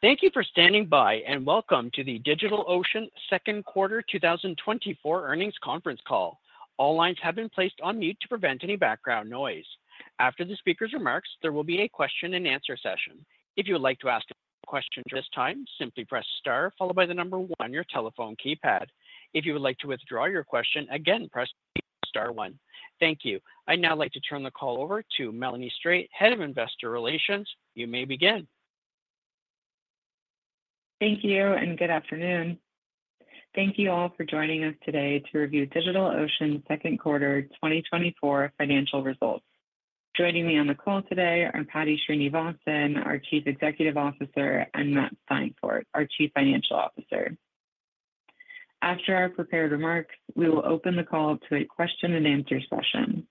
Thank you for standing by, and welcome to the DigitalOcean Second Quarter 2024 Earnings Conference Call. All lines have been placed on mute to prevent any background noise. After the speaker's remarks, there will be a question-and-answer session. If you would like to ask a question during this time, simply press star followed by the number one on your telephone keypad. If you would like to withdraw your question, again, press star one. Thank you. I'd now like to turn the call over to Melanie Strate, Head of Investor Relations. You may begin. Thank you, and good afternoon. Thank you all for joining us today to review DigitalOcean's second quarter 2024 financial results. Joining me on the call today are Paddy Srinivasan, our Chief Executive Officer, and Matt Steinfort, our Chief Financial Officer. After our prepared remarks, we will open the call to a question-and-answer session.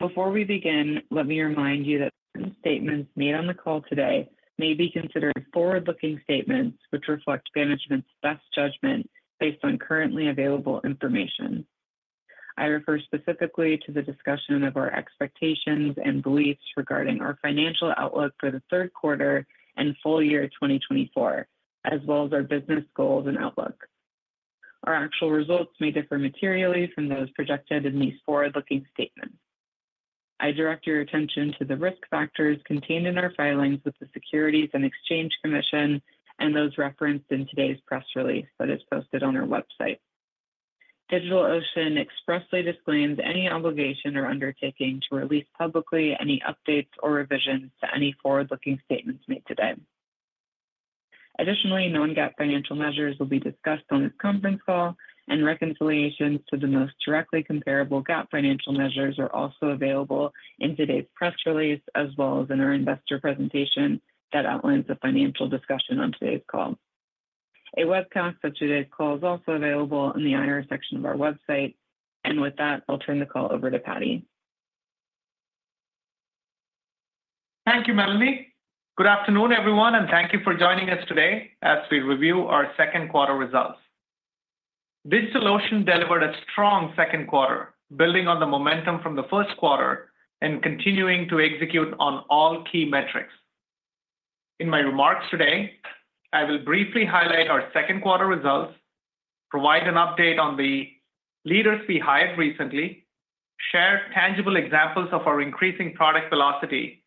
Before we begin, let me remind you that certain statements made on the call today may be considered forward-looking statements, which reflect management's best judgment based on currently available information. I refer specifically to the discussion of our expectations and beliefs regarding our financial outlook for the third quarter and full year 2024, as well as our business goals and outlook. Our actual results may differ materially from those projected in these forward-looking statements. I direct your attention to the risk factors contained in our filings with the Securities and Exchange Commission and those referenced in today's press release that is posted on our website. DigitalOcean expressly disclaims any obligation or undertaking to release publicly any updates or revisions to any forward-looking statements made today. Additionally, non-GAAP financial measures will be discussed on this conference call, and reconciliations to the most directly comparable GAAP financial measures are also available in today's press release, as well as in our investor presentation that outlines the financial discussion on today's call. A webcast of today's call is also available in the IR section of our website, and with that, I'll turn the call over to Paddy. Thank you, Melanie. Good afternoon, everyone, and thank you for joining us today as we review our second quarter results. DigitalOcean delivered a strong second quarter, building on the momentum from the first quarter and continuing to execute on all key metrics. In my remarks today, I will briefly highlight our second quarter results, provide an update on the leaders we hired recently, share tangible examples of our increasing product velocity,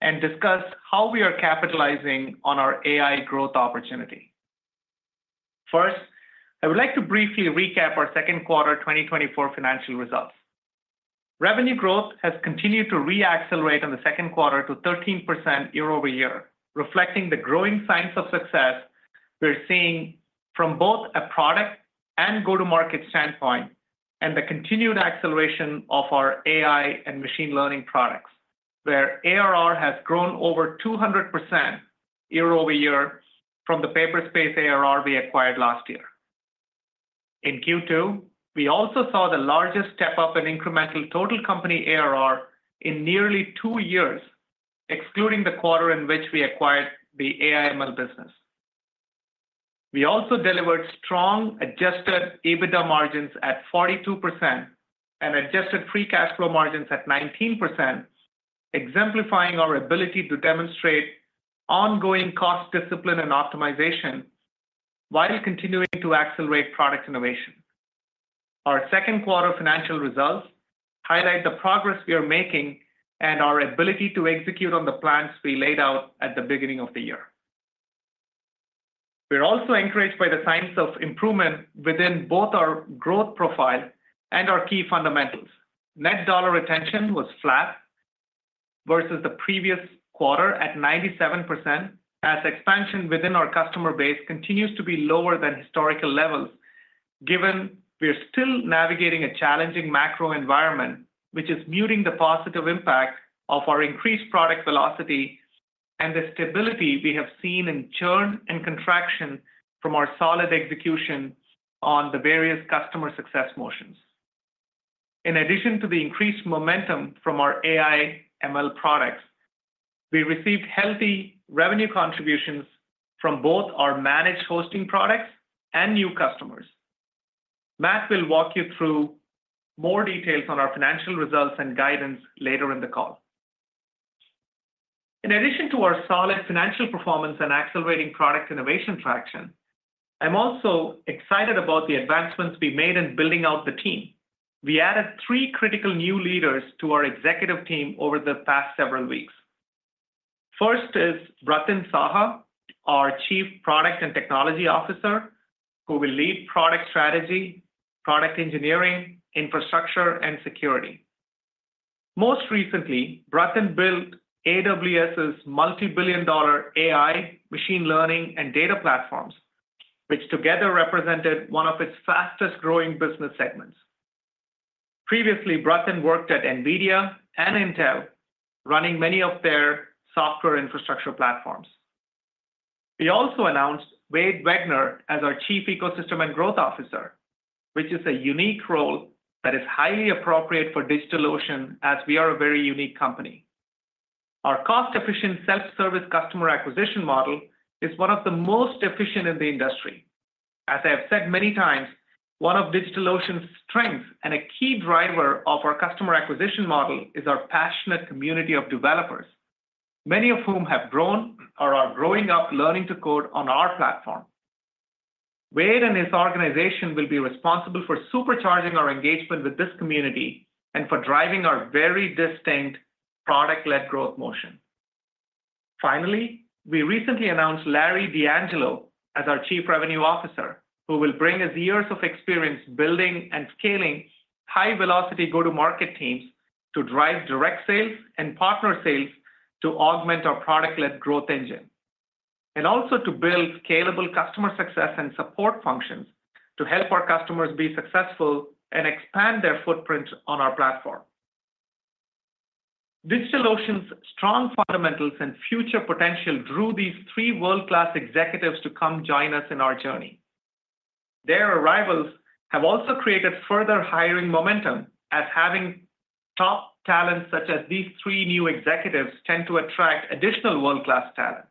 and discuss how we are capitalizing on our AI growth opportunity. First, I would like to briefly recap our second quarter 2024 financial results. Revenue growth has continued to re-accelerate in the second quarter to 13% year-over-year, reflecting the growing signs of success we're seeing from both a product and go-to-market standpoint, and the continued acceleration of our AI and machine learning products, where ARR has grown over 200% year-over-year from the Paperspace ARR we acquired last year. In Q2, we also saw the largest step-up in incremental total company ARR in nearly 2 years, excluding the quarter in which we acquired the AI/ML business. We also delivered strong Adjusted EBITDA margins at 42% and adjusted free cash flow margins at 19%, exemplifying our ability to demonstrate ongoing cost discipline and optimization while continuing to accelerate product innovation. Our second quarter financial results highlight the progress we are making and our ability to execute on the plans we laid out at the beginning of the year. We're also encouraged by the signs of improvement within both our growth profile and our key fundamentals. Net dollar retention was flat versus the previous quarter at 97%, as expansion within our customer base continues to be lower than historical levels, given we are still navigating a challenging macro environment, which is muting the positive impact of our increased product velocity and the stability we have seen in churn and contraction from our solid execution on the various customer success motions. In addition to the increased momentum from our AI/ML products, we received healthy revenue contributions from both our managed hosting products and new customers. Matt will walk you through more details on our financial results and guidance later in the call. In addition to our solid financial performance and accelerating product innovation traction, I'm also excited about the advancements we made in building out the team. We added three critical new leaders to our executive team over the past several weeks. First is Bratin Saha, our Chief Product and Technology Officer, who will lead product strategy, product engineering, infrastructure, and security. Most recently, Bratin built AWS's multi-billion dollar AI, machine learning, and data platforms, which together represented one of its fastest-growing business segments. Previously, Bratin worked at NVIDIA and Intel, running many of their software infrastructure platforms. We also announced Wade Wegner as our Chief Ecosystem and Growth Officer, which is a unique role that is highly appropriate for DigitalOcean as we are a very unique company. Our cost-efficient, self-service customer acquisition model is one of the most efficient in the industry. As I have said many times, one of DigitalOcean's strengths and a key driver of our customer acquisition model is our passionate community of developers, many of whom have grown or are growing up learning to code on our platform. Wade and his organization will be responsible for supercharging our engagement with this community, and for driving our very distinct product-led growth motion. Finally, we recently announced Larry D'Angelo as our Chief Revenue Officer, who will bring his years of experience building and scaling high velocity go-to-market teams to drive direct sales and partner sales to augment our product-led growth engine. And also to build scalable customer success and support functions, to help our customers be successful and expand their footprint on our platform. DigitalOcean's strong fundamentals and future potential drew these three world-class executives to come join us in our journey. Their arrivals have also created further hiring momentum, as having top talents such as these three new executives tend to attract additional world-class talent.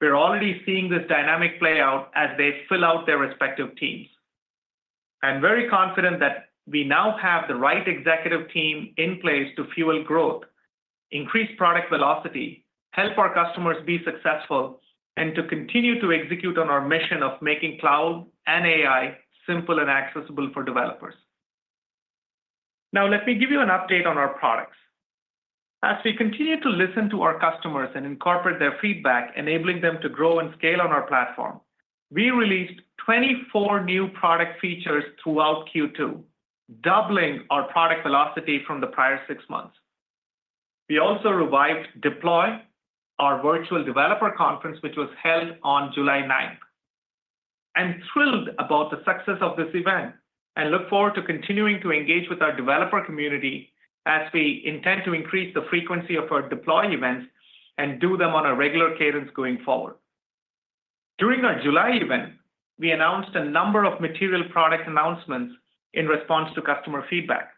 We're already seeing this dynamic play out as they fill out their respective teams. I'm very confident that we now have the right executive team in place to fuel growth, increase product velocity, help our customers be successful, and to continue to execute on our mission of making cloud and AI simple and accessible for developers. Now, let me give you an update on our products. As we continue to listen to our customers and incorporate their feedback, enabling them to grow and scale on our platform, we released 24 new product features throughout Q2, doubling our product velocity from the prior six months. We also revived Deploy, our virtual developer conference, which was held on July ninth. I'm thrilled about the success of this event, and look forward to continuing to engage with our developer community as we intend to increase the frequency of our Deploy events and do them on a regular cadence going forward. During our July event, we announced a number of material product announcements in response to customer feedback.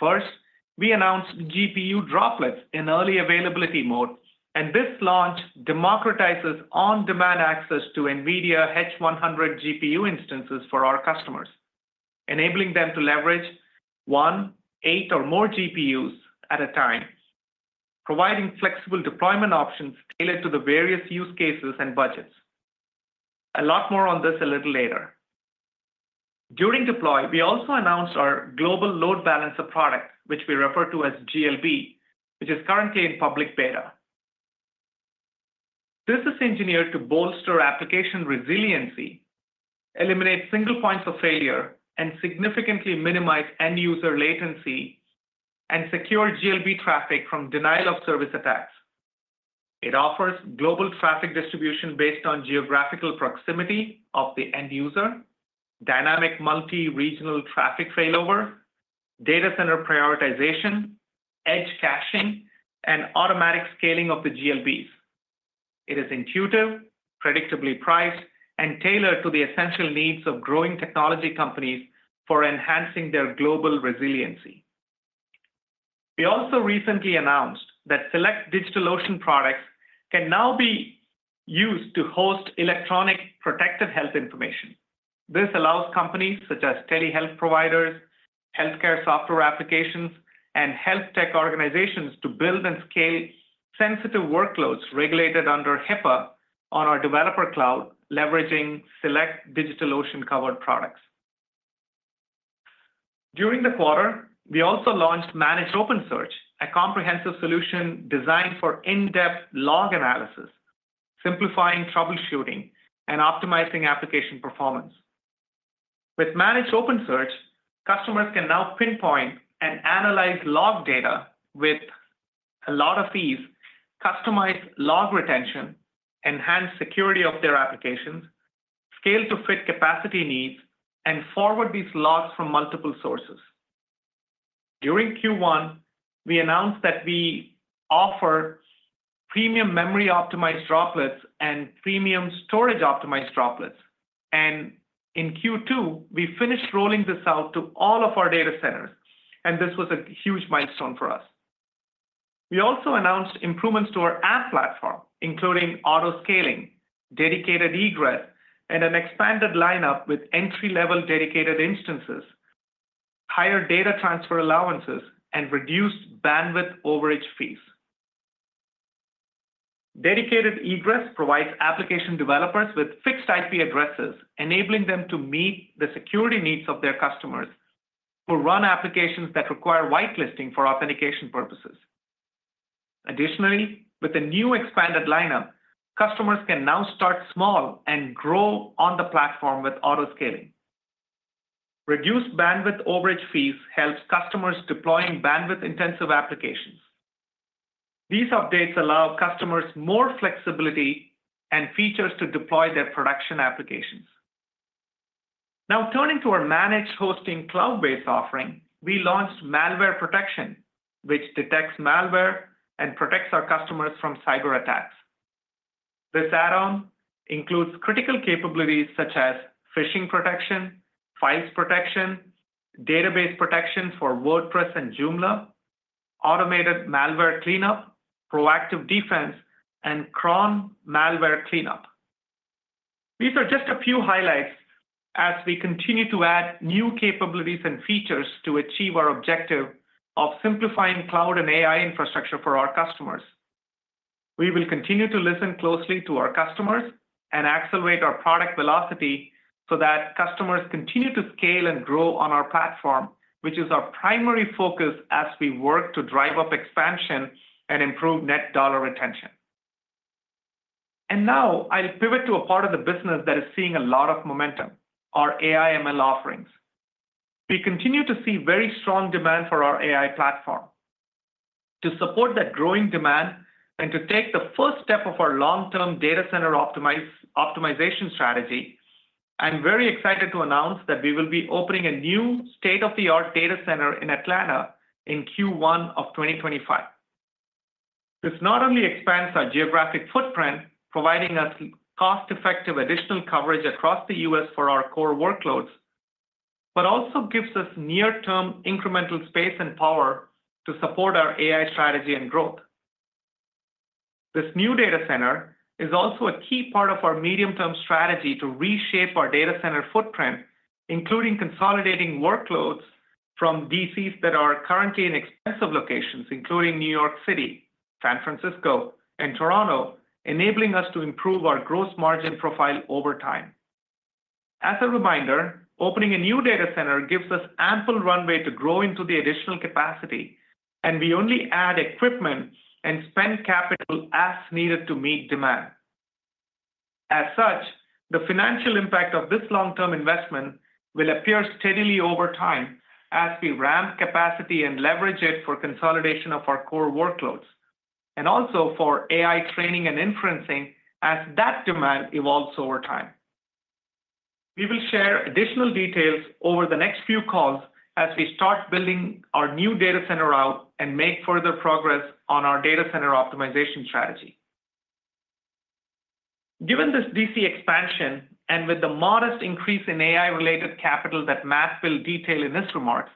First, we announced GPU Droplets in early availability mode, and this launch democratizes on-demand access to NVIDIA H100 GPU instances for our customers, enabling them to leverage 1, 8, or more GPUs at a time, providing flexible deployment options tailored to the various use cases and budgets. A lot more on this a little later. During Deploy, we also announced our Global Load Balancer product, which we refer to as GLB, which is currently in public beta. This is engineered to bolster application resiliency, eliminate single points of failure, and significantly minimize end user latency, and secure GLB traffic from denial of service attacks. It offers global traffic distribution based on geographical proximity of the end user, dynamic multi-regional traffic failover, data center prioritization, edge caching, and automatic scaling of the GLBs. It is intuitive, predictably priced, and tailored to the essential needs of growing technology companies for enhancing their global resiliency. We also recently announced that select DigitalOcean products can now be used to host electronic protected health information. This allows companies such as telehealth providers, healthcare software applications, and health tech organizations to build and scale sensitive workloads regulated under HIPAA on our developer cloud, leveraging select DigitalOcean-covered products. During the quarter, we also launched Managed OpenSearch, a comprehensive solution designed for in-depth log analysis, simplifying troubleshooting, and optimizing application performance. With Managed OpenSearch, customers can now pinpoint and analyze log data with a lot of ease, customize log retention, enhance security of their applications, scale to fit capacity needs, and forward these logs from multiple sources. During Q1, we announced that we offer Premium Memory-Optimized Droplets and Premium Storage-Optimized Droplets, and in Q2, we finished rolling this out to all of our data centers, and this was a huge milestone for us. We also announced improvements to our App Platform, including auto scaling, dedicated egress, and an expanded lineup with entry-level dedicated instances, higher data transfer allowances, and reduced bandwidth overage fees. Dedicated egress provides application developers with fixed IP addresses, enabling them to meet the security needs of their customers, who run applications that require whitelisting for authentication purposes. Additionally, with the new expanded lineup, customers can now start small and grow on the platform with auto scaling. Reduced bandwidth overage fees helps customers deploying bandwidth-intensive applications. These updates allow customers more flexibility and features to Deploy their production applications. Now, turning to our managed hosting cloud-based offering, we launched Malware Protection, which detects malware and protects our customers from cyberattacks. This add-on includes critical capabilities such as phishing protection, files protection, database protection for WordPress and Joomla, automated malware cleanup, proactive defense, and Cron malware cleanup. These are just a few highlights as we continue to add new capabilities and features to achieve our objective of simplifying cloud and AI infrastructure for our customers. We will continue to listen closely to our customers and accelerate our product velocity so that customers continue to scale and grow on our platform, which is our primary focus as we work to drive up expansion and improve Net Dollar Retention. Now, I'll pivot to a part of the business that is seeing a lot of momentum, our AI/ML offerings. We continue to see very strong demand for our AI platform. To support that growing demand and to take the first step of our long-term data center optimization strategy, I'm very excited to announce that we will be opening a new state-of-the-art data center in Atlanta in Q1 of 2025. This not only expands our geographic footprint, providing us cost-effective additional coverage across the U.S. for our core workloads, but also gives us near-term incremental space and power to support our AI strategy and growth. This new data center is also a key part of our medium-term strategy to reshape our data center footprint, including consolidating workloads from DCs that are currently in expensive locations, including New York City, San Francisco, and Toronto, enabling us to improve our gross margin profile over time. As a reminder, opening a new data center gives us ample runway to grow into the additional capacity, and we only add equipment and spend capital as needed to meet demand. As such, the financial impact of this long-term investment will appear steadily over time as we ramp capacity and leverage it for consolidation of our core workloads, and also for AI training and inferencing as that demand evolves over time. We will share additional details over the next few calls as we start building our new data center out and make further progress on our data center optimization strategy. Given this DC expansion, and with the modest increase in AI-related capital that Matt will detail in his remarks,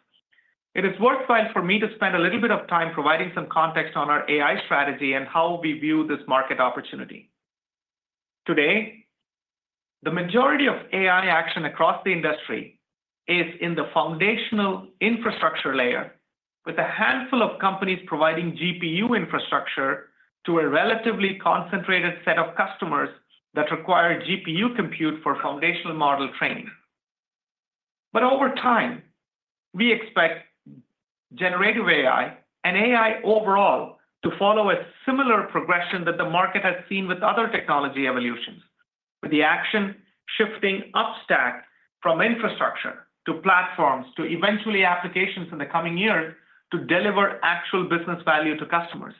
it is worthwhile for me to spend a little bit of time providing some context on our AI strategy and how we view this market opportunity. Today, the majority of AI action across the industry is in the foundational infrastructure layer, with a handful of companies providing GPU infrastructure to a relatively concentrated set of customers that require GPU compute for foundational model training. But over time, we expect generative AI and AI overall to follow a similar progression that the market has seen with other technology evolutions, with the action shifting upstack from infrastructure to platforms, to eventually applications in the coming years to deliver actual business value to customers.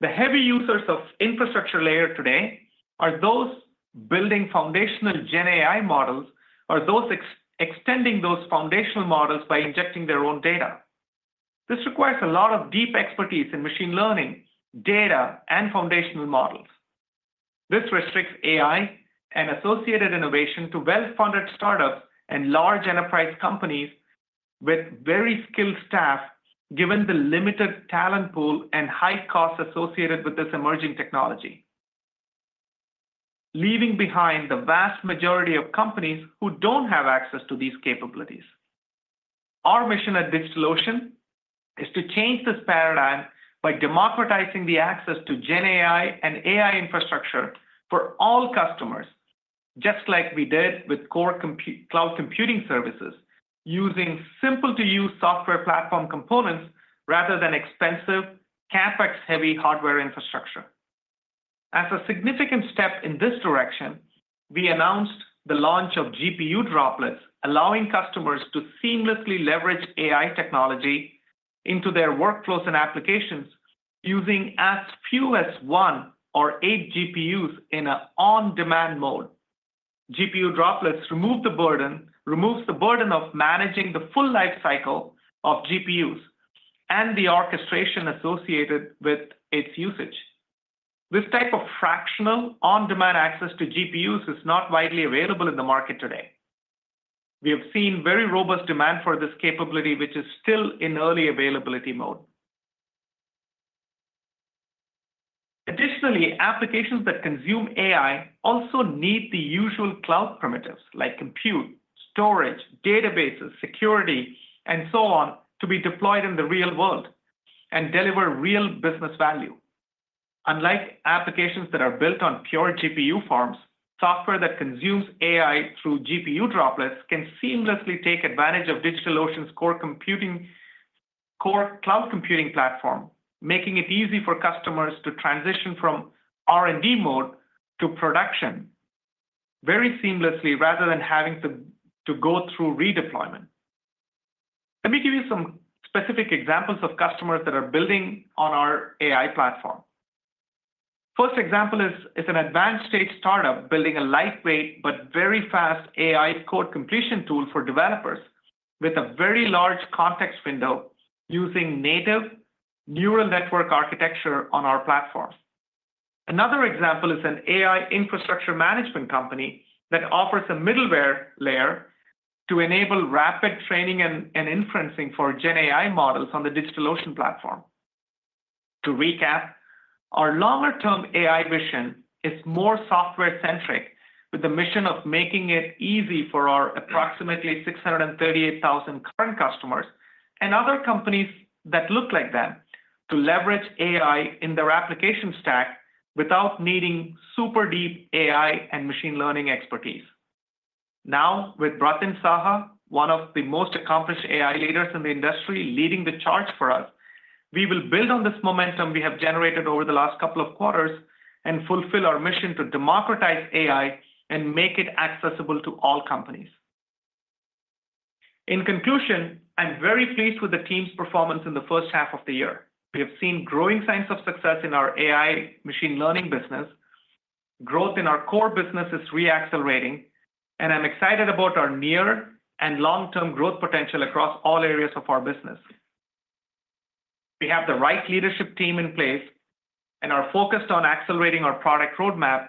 The heavy users of infrastructure layer today are those building foundational GenAI models, or those extending those foundational models by injecting their own data. This requires a lot of deep expertise in machine learning, data, and foundational models. This restricts AI and associated innovation to well-funded startups and large enterprise companies with very skilled staff, given the limited talent pool and high costs associated with this emerging technology, leaving behind the vast majority of companies who don't have access to these capabilities. Our mission at DigitalOcean is to change this paradigm by democratizing the access to GenAI and AI infrastructure for all customers, just like we did with core compute, cloud computing services, using simple to use software platform components rather than expensive, CapEx-heavy hardware infrastructure. As a significant step in this direction, we announced the launch of GPU Droplets, allowing customers to seamlessly leverage AI technology into their workflows and applications using as few as one or eight GPUs in an on-demand mode. GPU Droplets remove the burden of managing the full life cycle of GPUs and the orchestration associated with its usage. This type of fractional, on-demand access to GPUs is not widely available in the market today. We have seen very robust demand for this capability, which is still in early availability mode. Additionally, applications that consume AI also need the usual cloud primitives, like compute, storage, databases, security, and so on, to be deployed in the real world and deliver real business value. Unlike applications that are built on pure GPU farms, software that consumes AI through GPU Droplets can seamlessly take advantage of DigitalOcean's core computing, core cloud computing platform, making it easy for customers to transition from R&D mode to production very seamlessly, rather than having to go through redeployment. Let me give you some specific examples of customers that are building on our AI platform. First example is an advanced stage startup building a lightweight but very fast AI code completion tool for developers with a very large context window using native neural network architecture on our platform. Another example is an AI infrastructure management company that offers a middleware layer to enable rapid training and inferencing for GenAI models on the DigitalOcean platform. To recap, our longer-term AI vision is more software-centric, with the mission of making it easy for our approximately 638,000 current customers, and other companies that look like them, to leverage AI in their application stack without needing super deep AI and machine learning expertise. Now, with Bratin Saha, one of the most accomplished AI leaders in the industry, leading the charge for us, we will build on this momentum we have generated over the last couple of quarters and fulfill our mission to democratize AI and make it accessible to all companies. In conclusion, I'm very pleased with the team's performance in the first half of the year. We have seen growing signs of success in our AI machine learning business. Growth in our core business is re-accelerating, and I'm excited about our near and long-term growth potential across all areas of our business. We have the right leadership team in place, and are focused on accelerating our product roadmap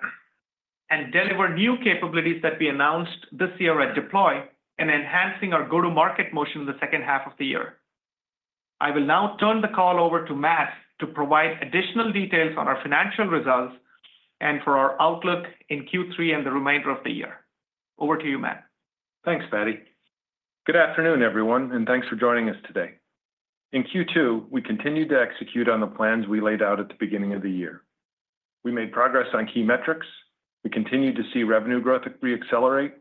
and deliver new capabilities that we announced this year at Deploy, and enhancing our go-to-market motion in the second half of the year. I will now turn the call over to Matt to provide additional details on our financial results and for our outlook in Q3 and the remainder of the year. Over to you, Matt. Thanks, Paddy. Good afternoon, everyone, and thanks for joining us today. In Q2, we continued to execute on the plans we laid out at the beginning of the year. We made progress on key metrics, we continued to see revenue growth re-accelerate,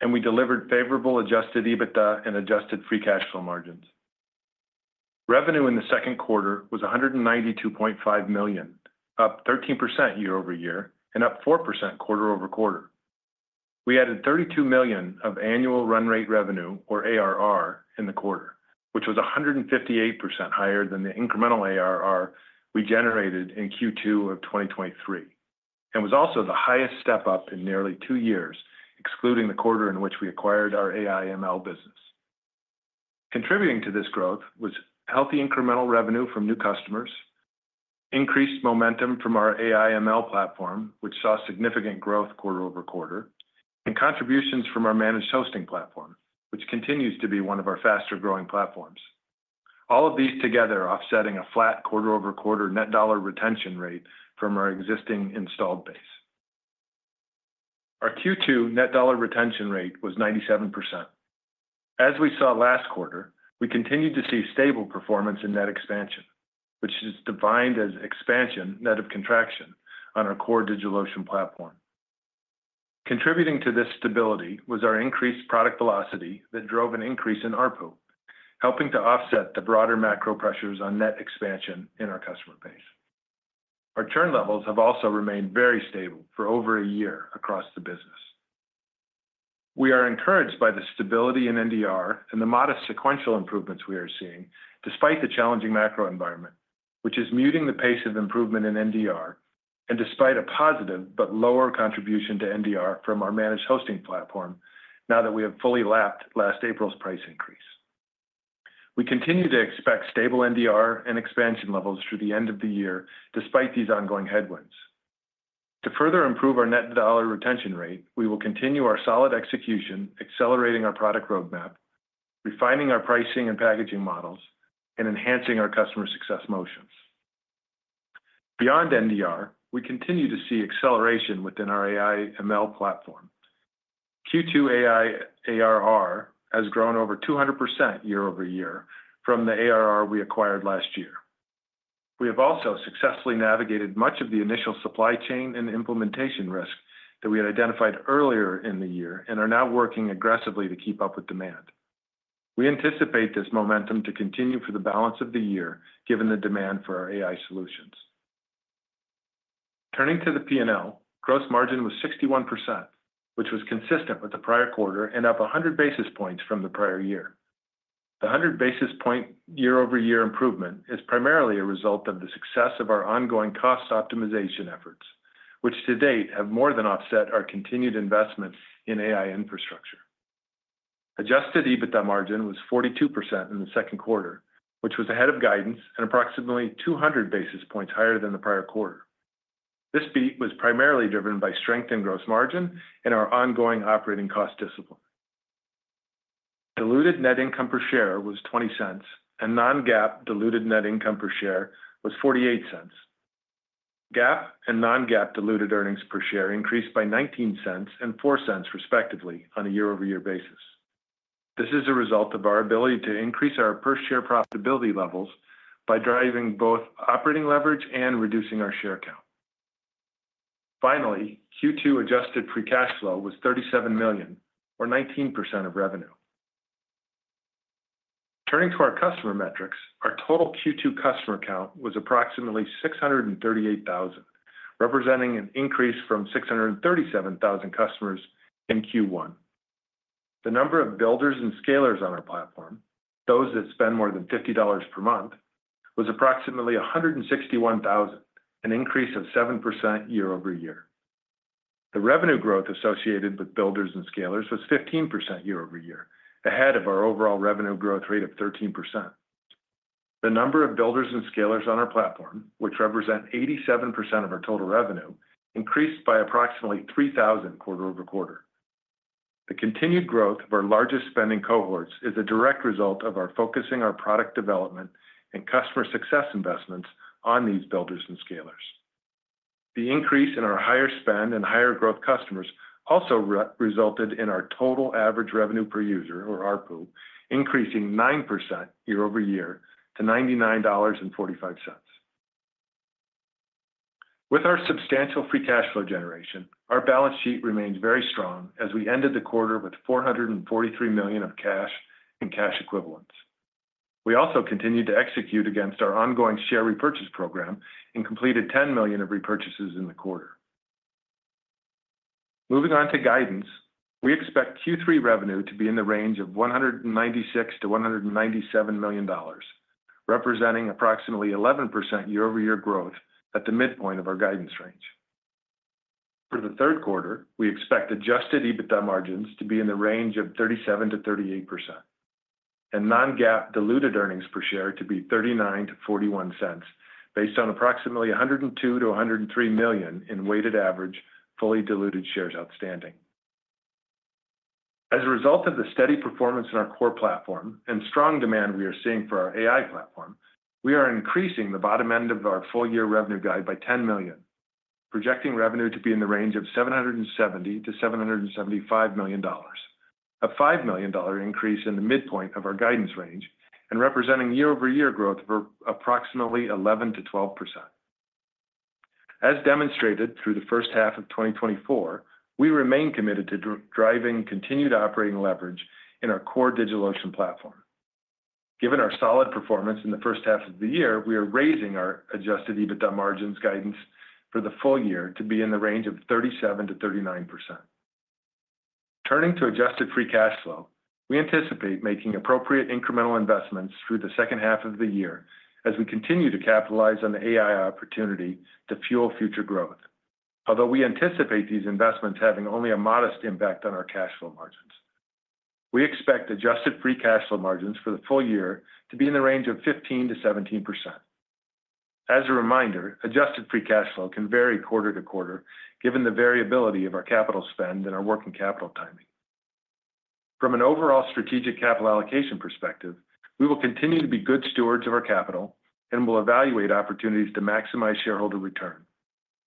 and we delivered favorable adjusted EBITDA and adjusted free cash flow margins. Revenue in the second quarter was $192.5 million, up 13% year-over-year, and up 4% quarter-over-quarter. We added $32 million of annual run rate revenue, or ARR, in the quarter, which was 158% higher than the incremental ARR we generated in Q2 of 2023, and was also the highest step-up in nearly two years, excluding the quarter in which we acquired our AI/ML business. Contributing to this growth was healthy incremental revenue from new customers, increased momentum from our AI/ML platform, which saw significant growth quarter-over-quarter, and contributions from our managed hosting platform, which continues to be one of our faster-growing platforms. All of these together offsetting a flat quarter-over-quarter net dollar retention rate from our existing installed base. Our Q2 net dollar retention rate was 97%. As we saw last quarter, we continued to see stable performance in net expansion, which is defined as expansion net of contraction on our core DigitalOcean platform. Contributing to this stability was our increased product velocity that drove an increase in ARPU, helping to offset the broader macro pressures on net expansion in our customer base. Our churn levels have also remained very stable for over a year across the business. We are encouraged by the stability in NDR and the modest sequential improvements we are seeing, despite the challenging macro environment, which is muting the pace of improvement in NDR, and despite a positive but lower contribution to NDR from our managed hosting platform, now that we have fully lapped last April's price increase. We continue to expect stable NDR and expansion levels through the end of the year, despite these ongoing headwinds. To further improve our net dollar retention rate, we will continue our solid execution, accelerating our product roadmap, refining our pricing and packaging models, and enhancing our customer success motions. Beyond NDR, we continue to see acceleration within our AI/ML platform. Q2 AI ARR has grown over 200% year-over-year from the ARR we acquired last year. We have also successfully navigated much of the initial supply chain and implementation risks that we had identified earlier in the year, and are now working aggressively to keep up with demand. We anticipate this momentum to continue for the balance of the year, given the demand for our AI solutions. Turning to the P&L, gross margin was 61%, which was consistent with the prior quarter and up 100 basis points from the prior year. The 100 basis point year-over-year improvement is primarily a result of the success of our ongoing cost optimization efforts, which to date have more than offset our continued investments in AI infrastructure. Adjusted EBITDA margin was 42% in the second quarter, which was ahead of guidance and approximately 200 basis points higher than the prior quarter. This beat was primarily driven by strength in gross margin and our ongoing operating cost discipline. Diluted net income per share was $0.20, and non-GAAP diluted net income per share was $0.48. GAAP and non-GAAP diluted earnings per share increased by $0.19 and $0.04, respectively, on a year-over-year basis. This is a result of our ability to increase our per share profitability levels by driving both operating leverage and reducing our share count. Finally, Q2 adjusted free cash flow was $37 million or 19% of revenue. Turning to our customer metrics, our total Q2 customer count was approximately 638,000, representing an increase from 637,000 customers in Q1. The number of Builders and Scalers on our platform, those that spend more than $50 per month, was approximately 161,000, an increase of 7% year-over-year. The revenue growth associated with Builders and Scalers was 15% year-over-year, ahead of our overall revenue growth rate of 13%. The number of Builders and Scalers on our platform, which represent 87% of our total revenue, increased by approximately 3,000 quarter-over-quarter. The continued growth of our largest spending cohorts is a direct result of our focusing our product development and customer success investments on these Builders and Scalers. The increase in our higher spend and higher growth customers also resulted in our total average revenue per user, or ARPU, increasing 9% year-over-year to $99.45. With our substantial free cash flow generation, our balance sheet remains very strong as we ended the quarter with $443 million of cash and cash equivalents. We also continued to execute against our ongoing share repurchase program and completed $10 million of repurchases in the quarter. Moving on to guidance, we expect Q3 revenue to be in the range of $196 million-$197 million, representing approximately 11% year-over-year growth at the midpoint of our guidance range. For the third quarter, we expect Adjusted EBITDA margins to be in the range of 37%-38%, and non-GAAP diluted earnings per share to be $0.39-$0.41, based on approximately 102 million-103 million in weighted average, fully diluted shares outstanding. As a result of the steady performance in our core platform and strong demand we are seeing for our AI platform, we are increasing the bottom end of our full year revenue guide by $10 million, projecting revenue to be in the range of $770 million-$775 million, a $5 million increase in the midpoint of our guidance range, and representing year-over-year growth of approximately 11%-12%. As demonstrated through the first half of 2024, we remain committed to driving continued operating leverage in our core DigitalOcean platform. Given our solid performance in the first half of the year, we are raising our adjusted EBITDA margins guidance for the full year to be in the range of 37%-39%. Turning to Adjusted Free Cash Flow, we anticipate making appropriate incremental investments through the second half of the year as we continue to capitalize on the AI opportunity to fuel future growth. Although we anticipate these investments having only a modest impact on our cash flow margins, we expect Adjusted Free Cash Flow margins for the full year to be in the range of 15%-17%. As a reminder, Adjusted Free Cash Flow can vary quarter to quarter, given the variability of our capital spend and our working capital timing. From an overall strategic capital allocation perspective, we will continue to be good stewards of our capital and will evaluate opportunities to maximize shareholder return,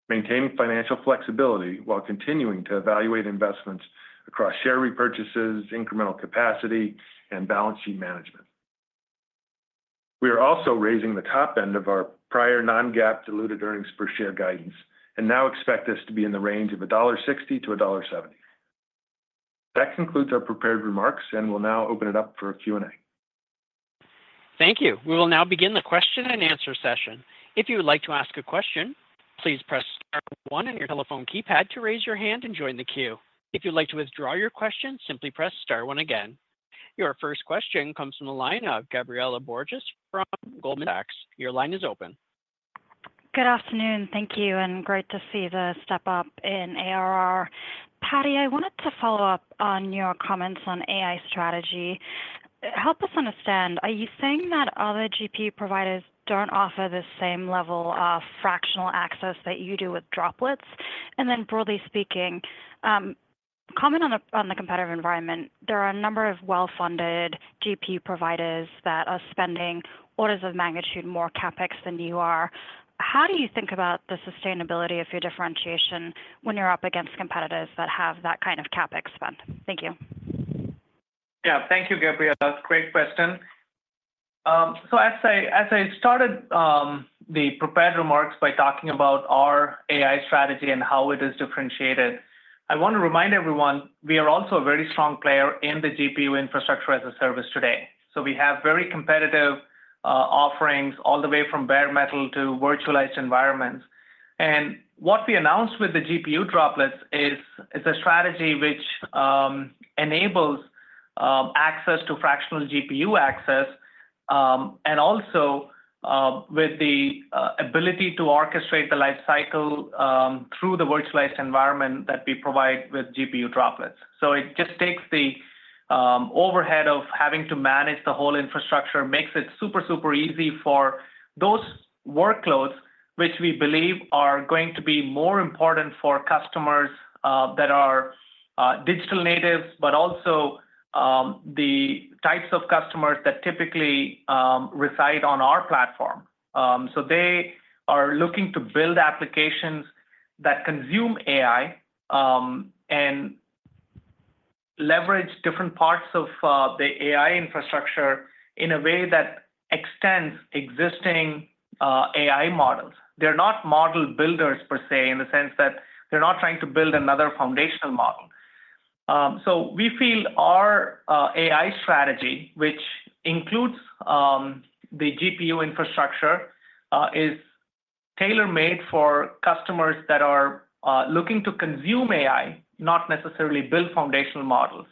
maintaining financial flexibility while continuing to evaluate investments across share repurchases, incremental capacity, and balance sheet management. We are also raising the top end of our prior non-GAAP diluted earnings per share guidance, and now expect this to be in the range of $1.60-$1.70. That concludes our prepared remarks, and we'll now open it up for a Q&A. Thank you. We will now begin the question and answer session. If you would like to ask a question, please press star one on your telephone keypad to raise your hand and join the queue. If you'd like to withdraw your question, simply press star one again. Your first question comes from the line of Gabriela Borges from Goldman Sachs. Your line is open. Good afternoon. Thank you, and great to see the step up in ARR. Paddy, I wanted to follow up on your comments on AI strategy. Help us understand, are you saying that other GPU providers don't offer the same level of fractional access that you do with Droplets? And then broadly speaking, comment on the competitive environment. There are a number of well-funded GPU providers that are spending orders of magnitude more CapEx than you are. How do you think about the sustainability of your differentiation when you're up against competitors that have that kind of CapEx spend? Thank you. Yeah. Thank you, Gabriela. Great question. So as I started the prepared remarks by talking about our AI strategy and how it is differentiated, I want to remind everyone we are also a very strong player in the GPU infrastructure as a service today. So we have very competitive offerings all the way from bare metal to virtualized environments. And what we announced with the GPU Droplets is a strategy which enables access to fractional GPU access and also with the ability to orchestrate the life cycle through the virtualized environment that we provide with GPU Droplets. So it just takes the overhead of having to manage the whole infrastructure, makes it super, super easy for those workloads, which we believe are going to be more important for customers that are digital natives, but also the types of customers that typically reside on our platform. So they are looking to build applications that consume AI and leverage different parts of the AI infrastructure in a way that extends existing AI models. They're not model builders per se, in the sense that they're not trying to build another foundational model. So we feel our AI strategy, which includes the GPU infrastructure, is tailor-made for customers that are looking to consume AI, not necessarily build foundational models.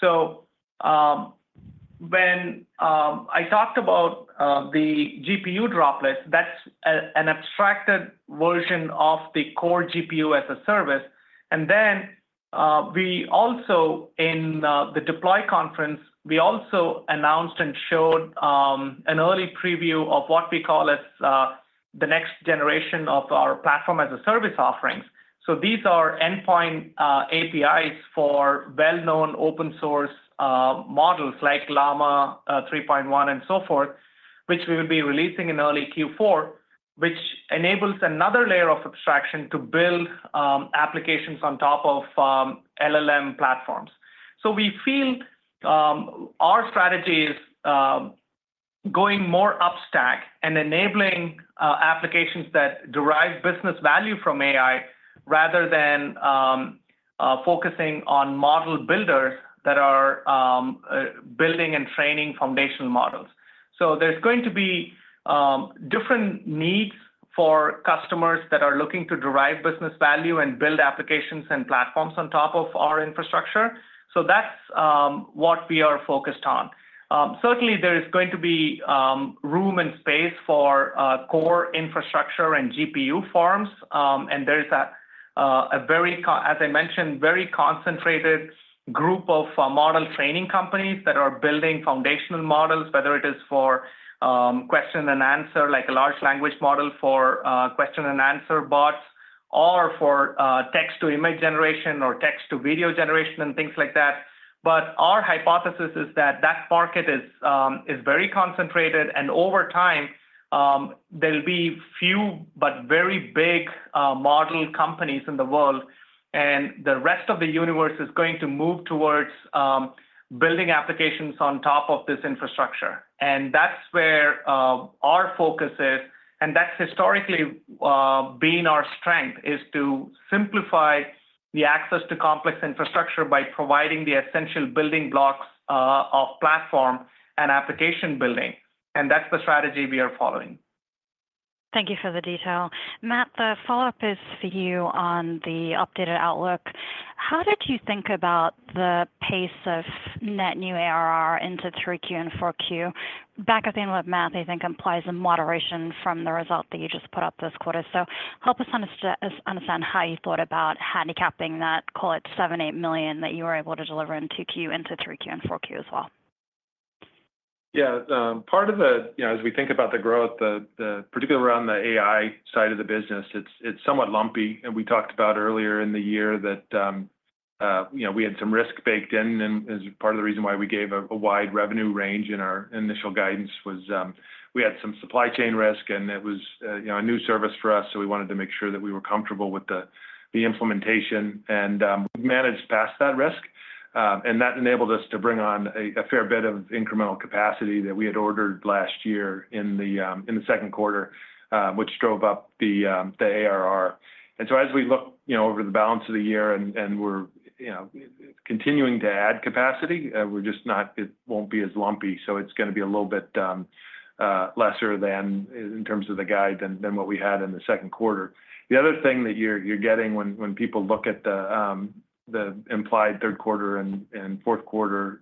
So, hen I talked about the GPU Droplets, that's an abstracted version of the core GPU as a service. And then we also, in the Deploy conference, we also announced and showed an early preview of what we call as the next generation of our platform as a service offerings. So these are endpoint APIs for well-known open source models like Llama 3.1, and so forth, which we will be releasing in early Q4, which enables another layer of abstraction to build applications on top of LLM platforms. So we feel our strategy is going more upstack and enabling applications that derive business value from AI rather than focusing on model builders that are building and training foundational models. So there's going to be different needs for customers that are looking to derive business value and build applications and platforms on top of our infrastructure, so that's what we are focused on. Certainly there is going to be room and space for core infrastructure and GPU farms. And there is a very concentrated group of model training companies that are building foundational models, whether it is for question and answer, like a large language model for question and answer bots, or for text to image generation, or text to video generation and things like that. But our hypothesis is that that market is very concentrated, and over time, there'll be few but very big model companies in the world, and the rest of the universe is going to move towards building applications on top of this infrastructure. And that's where our focus is, and that's historically been our strength, is to simplify the access to complex infrastructure by providing the essential building blocks of platform and application building, and that's the strategy we are following. Thank you for the detail. Matt, the follow-up is for you on the updated outlook. How did you think about the pace of net new ARR into Q3 and Q4? Back of the envelope math, I think, implies a moderation from the result that you just put out this quarter. So help us understand how you thought about handicapping that, call it $7-$8 million, that you were able to deliver in Q2 into Q3 and Q4 as well. Yeah. Part of the, you know, as we think about the growth, the particularly around the AI side of the business, it's somewhat lumpy. And we talked about earlier in the year that, you know, we had some risk baked in, and is part of the reason why we gave a wide revenue range in our initial guidance, was, we had some supply chain risk, and it was, you know, a new service for us, so we wanted to make sure that we were comfortable with the implementation. And, we managed past that risk, and that enabled us to bring on a fair bit of incremental capacity that we had ordered last year in the, in the second quarter, which drove up the ARR. And so as we look, you know, over the balance of the year and we're, you know, continuing to add capacity, we're just not. It won't be as lumpy, so it's gonna be a little bit lesser than in terms of the guide than what we had in the second quarter. The other thing that you're getting when people look at the implied third quarter and fourth quarter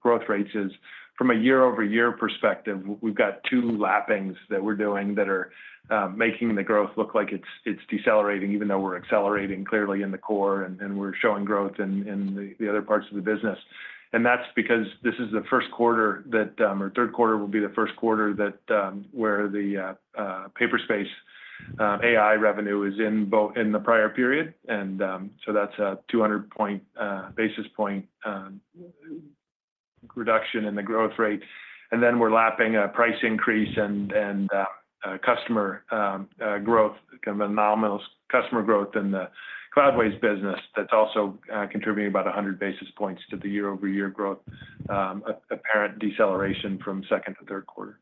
growth rates is, from a year-over-year perspective, we've got two lappings that we're doing that are making the growth look like it's decelerating, even though we're accelerating clearly in the core, and we're showing growth in the other parts of the business. And that's because this is the first quarter that, or third quarter will be the first quarter that, where the Paperspace AI revenue is in both in the prior period. And so that's a 200 basis point reduction in the growth rate. And then we're lapping a price increase and, and, customer growth, kind of a nominal customer growth in the Cloudways business. That's also contributing about 100 basis points to the year-over-year growth, apparent deceleration from second to third quarter.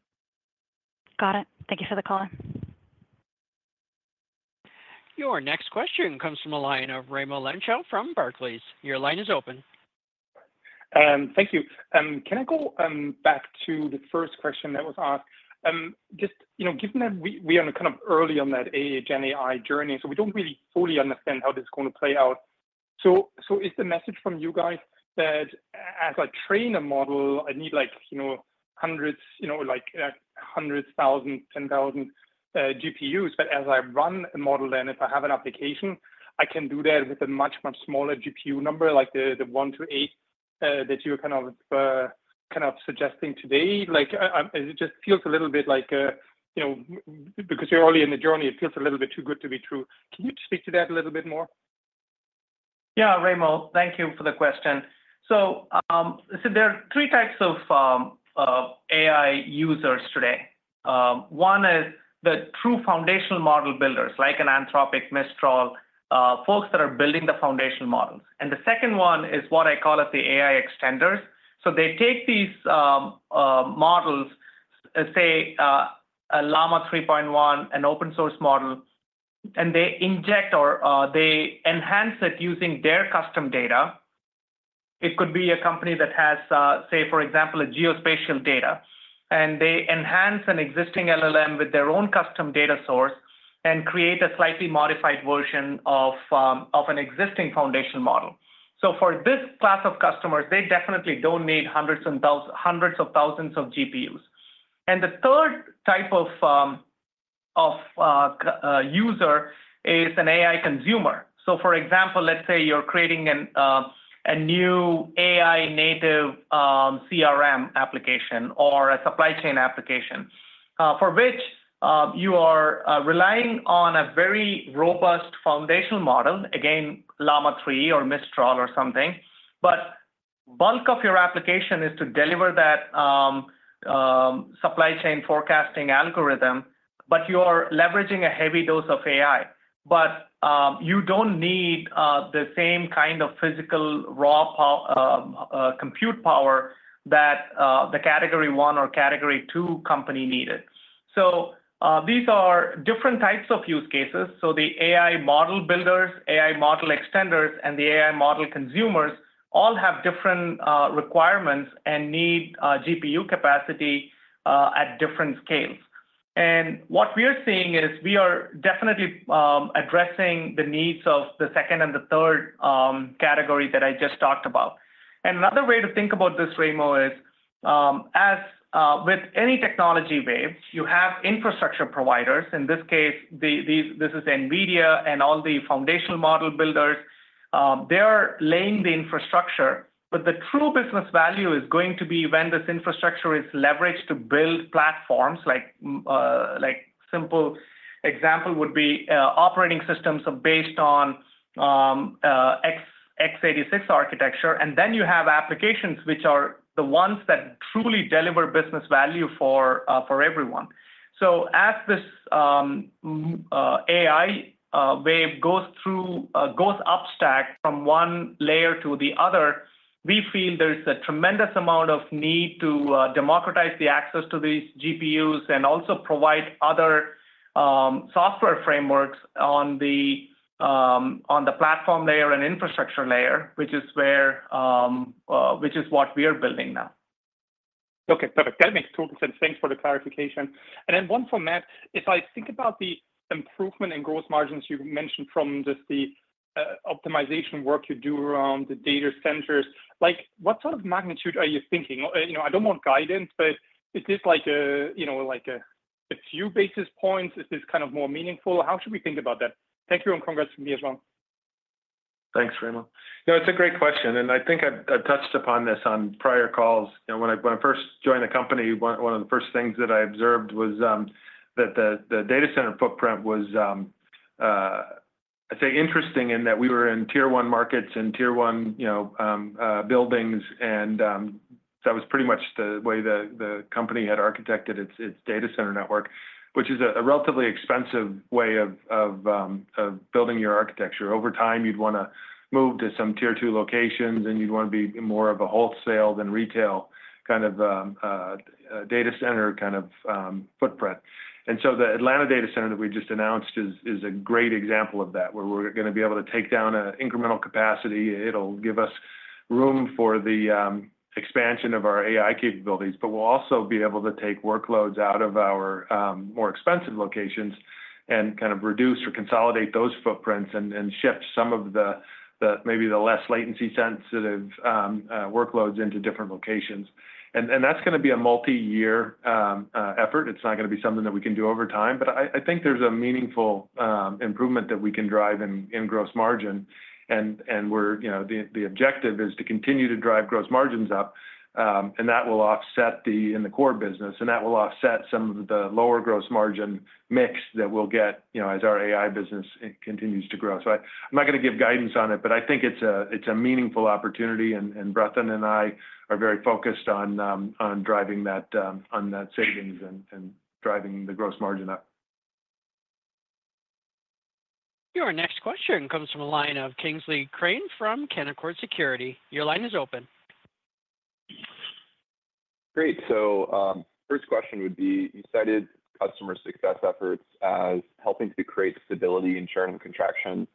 Got it. Thank you for the call. Your next question comes from the line of Raimo Lenschow from Barclays. Your line is open. Thank you. Can I go back to the first question that was asked? Just, you know, given that we are kind of early on that AI gen journey, so we don't really fully understand how this is gonna play out. So is the message from you guys that as I train a model, I need like, you know, hundreds, like, hundreds, thousands, 10,000 GPUs, but as I run a model, and if I have an application, I can do that with a much, much smaller GPU number, like the 1-8 that you were kind of suggesting today? Like, it just feels a little bit like, you know, because you're early in the journey, it feels a little bit too good to be true. Can you speak to that a little bit more? Yeah, Raimo, thank you for the question. So, there are three types of AI users today. One is the true foundational model builders, like an Anthropic, Mistral, folks that are building the foundational models. And the second one is what I call as the AI extenders. So they take these models, say, a Llama 3.1, an open source model, and they inject or they enhance it using their custom data. It could be a company that has, say, for example, a geospatial data, and they enhance an existing LLM with their own custom data source and create a slightly modified version of an existing foundation model. So for this class of customers, they definitely don't need hundreds of thousands of GPUs. And the third type of user is an AI consumer. So for example, let's say you're creating a new AI native CRM application or a supply chain application for which you are relying on a very robust foundational model, again, Llama 3 or Mistral or something. But bulk of your application is to deliver that supply chain forecasting algorithm, but you are leveraging a heavy dose of AI. But you don't need the same kind of physical raw compute power that the category one or category two company needed. So these are different types of use cases. So the AI model builders, AI model extenders, and the AI model consumers all have different requirements and need GPU capacity at different scales. What we are seeing is we are definitely addressing the needs of the second and the third category that I just talked about. Another way to think about this, Raimo, is as with any technology wave, you have infrastructure providers. In this case, this is NVIDIA and all the foundational model builders, they're laying the infrastructure, but the true business value is going to be when this infrastructure is leveraged to build platforms like a simple example would be operating systems based on x86 architecture. Then you have applications which are the ones that truly deliver business value for everyone. So as this AI wave goes through, goes upstack from one layer to the other, we feel there is a tremendous amount of need to democratize the access to these GPUs and also provide other software frameworks on the platform layer and infrastructure layer, which is what we are building now. Okay, perfect. That makes total sense. Thanks for the clarification. Then one for Matt. If I think about the improvement in gross margins you mentioned from just the optimization work you do around the data centers, like, what sort of magnitude are you thinking? You know, I don't want guidance, but is this like a, you know, like a few basis points? Is this kind of more meaningful? How should we think about that? Thank you, and congrats from me as well. Thanks, Remo. No, it's a great question, and I think I touched upon this on prior calls. You know, when I first joined the company, one of the first things that I observed was that the data center footprint was, I'd say interesting in that we were in Tier One markets and Tier One, you know, buildings, and that was pretty much the way the company had architected its data center network, which is a relatively expensive way of building your architecture. Over time, you'd wanna move to some Tier Two locations, and you'd wanna be more of a wholesale than retail kind of data center footprint. And so the Atlanta data center that we just announced is a great example of that, where we're gonna be able to take down a incremental capacity. It'll give us room for the expansion of our AI capabilities, but we'll also be able to take workloads out of our more expensive locations and kind of reduce or consolidate those footprints and shift some of the maybe less latency sensitive workloads into different locations. And that's gonna be a multiyear effort. It's not gonna be something that we can do over time, but I think there's a meaningful improvement that we can drive in gross margin. And we're, you know, the objective is to continue to drive gross margins up, and that will offset the in the core business, and that will offset some of the lower gross margin mix that we'll get, you know, as our AI business it continues to grow. So I'm not gonna give guidance on it, but I think it's a it's a meaningful opportunity, and Bratin and I are very focused on driving that on that savings and driving the gross margin up. Your next question comes from the line of Kingsley Crane from Canaccord Genuity. Your line is open. Great. So, first question would be: you cited customer success efforts as helping to create stability in churn and contraction.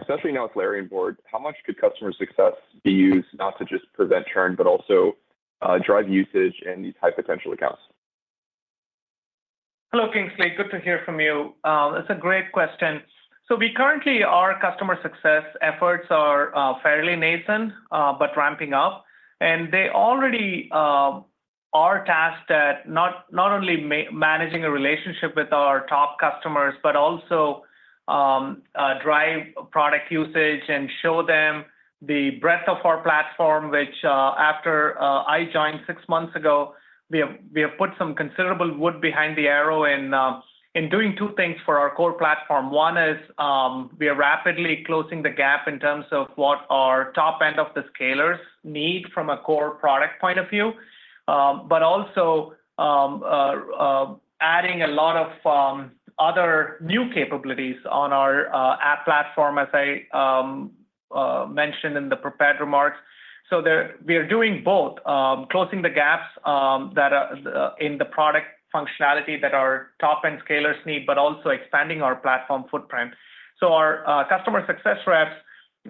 Especially now with Larry on board, how much could customer success be used, not to just prevent churn, but also, drive usage in these high-potential accounts? Hello, Kingsley. Good to hear from you. That's a great question. So we currently, our customer success efforts are, fairly nascent, but ramping up, and they already are tasked at not only managing a relationship with our top customers, but also, drive product usage and show them the breadth of our platform, which, after I joined six months ago, we have put some considerable wood behind the arrow in, in doing two things for our core platform. One is, we are rapidly closing the gap in terms of what our top end of the scalers need from a core product point of view, but also adding a lot of other new capabilities on our App Platform, as I mentioned in the prepared remarks. So there, we are doing both, closing the gaps that in the product functionality that our top-end scalers need, but also expanding our platform footprint. So our customer success reps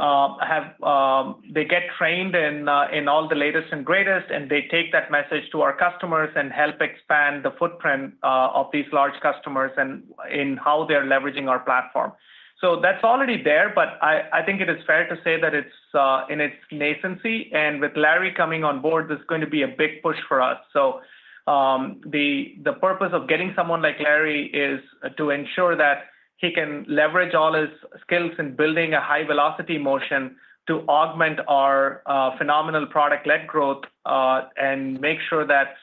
have. They get trained in all the latest and greatest, and they take that message to our customers and help expand the footprint of these large customers and in how they're leveraging our platform. So that's already there, but I think it is fair to say that it's in its nascency, and with Larry coming on board, there's going to be a big push for us. The purpose of getting someone like Larry is to ensure that he can leverage all his skills in building a high velocity motion to augment our phenomenal product-led growth, and make sure that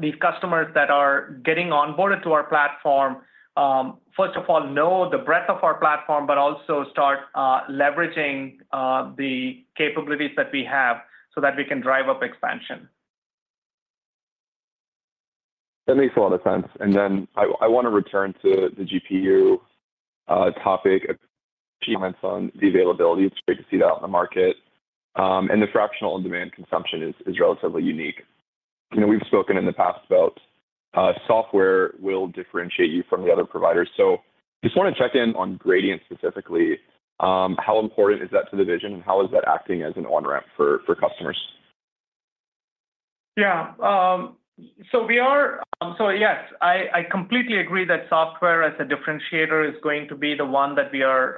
these customers that are getting onboarded to our platform first of all know the breadth of our platform, but also start leveraging the capabilities that we have so that we can drive up expansion. That makes a lot of sense. And then I wanna return to the GPU topic, comments on the availability. It's great to see that out in the market. And the fractional on-demand consumption is relatively unique. You know, we've spoken in the past about software will differentiate you from the other providers, so just wanna check in on Gradient specifically. How important is that to the vision, and how is that acting as an on-ramp for customers? Yeah. So yes, I completely agree that software as a differentiator is going to be the one that we are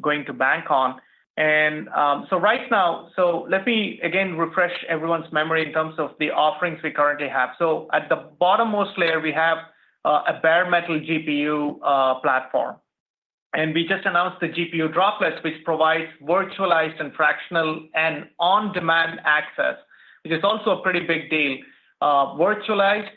going to bank on. And so right now, so let me again refresh everyone's memory in terms of the offerings we currently have. So at the bottommost layer, we have a Bare Metal GPU platform. And we just announced the GPU Droplets, which provides virtualized and fractional and on-demand access, which is also a pretty big deal. Virtualized,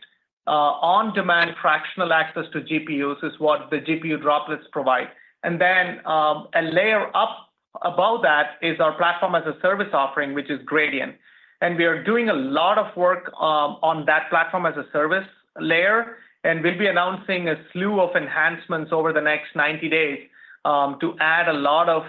on-demand, fractional access to GPUs is what the GPU Droplets provide. And then, a layer up above that is our platform-as-a-service offering, which is Gradient. We are doing a lot of work on that platform as a service layer, and we'll be announcing a slew of enhancements over the next 90 days to add a lot of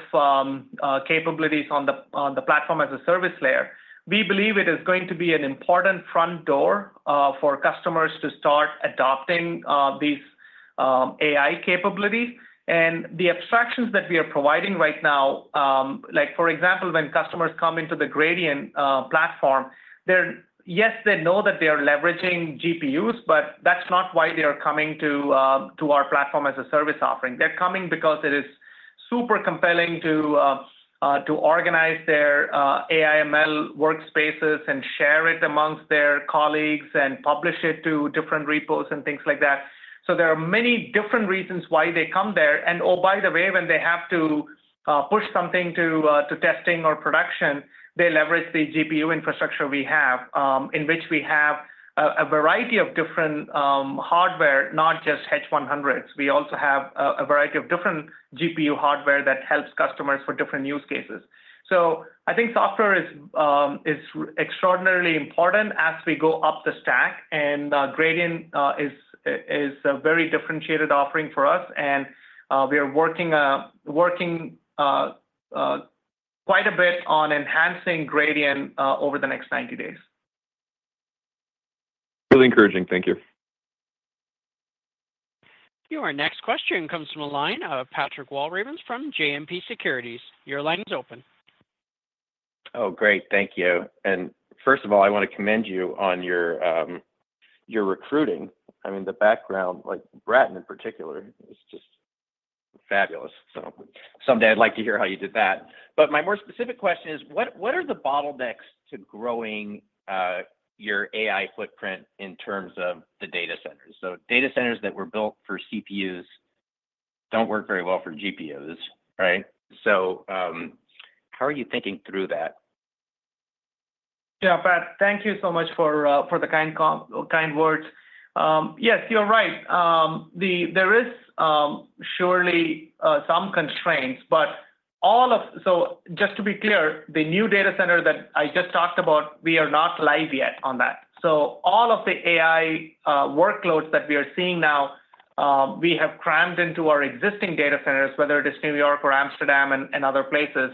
capabilities on the platform as a service layer. We believe it is going to be an important front door for customers to start adopting these AI capabilities. And the abstractions that we are providing right now, like, for example, when customers come into the Gradient platform, they know that they are leveraging GPUs, but that's not why they are coming to our platform as a service offering. They're coming because it is super compelling to organize their AI/ML workspaces, and share it amongst their colleagues, and publish it to different repos, and things like that. So there are many different reasons why they come there. And, oh, by the way, when they have to push something to testing or production, they leverage the GPU infrastructure we have, in which we have a variety of different hardware, not just H100s. We also have a variety of different GPU hardware that helps customers for different use cases. So I think software is extraordinarily important as we go up the stack, and Gradient is a very differentiated offering for us, and we are working quite a bit on enhancing Gradient over the next 90 days. Really encouraging. Thank you. Your next question comes from the line of Patrick Walravens from JMP Securities. Your line is open. Oh, great. Thank you. And first of all, I want to commend you on your recruiting. I mean, the background, like, Bratin in particular, is just fabulous. So someday I'd like to hear how you did that. But my more specific question is: What are the bottlenecks to growing your AI footprint in terms of the data centers? So data centers that were built for CPUs don't work very well for GPUs, right? So, how are you thinking through that? Yeah, Pat, thank you so much for the kind words. Yes, you're right. There is surely some constraints, but all of, so just to be clear, the new data center that I just talked about, we are not live yet on that. So all of the AI workloads that we are seeing now, we have crammed into our existing data centers, whether it is New York or Amsterdam and other places.